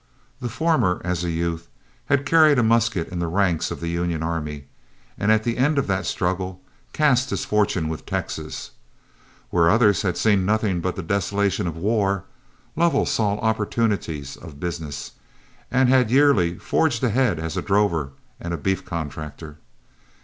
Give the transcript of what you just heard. The former, as a youth, had carried a musket in the ranks of the Union army, and at the end of that struggle, cast his fortune with Texas, where others had seen nothing but the desolation of war, Lovell saw opportunities of business, and had yearly forged ahead as a drover and beef contractor.